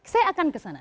saya akan kesana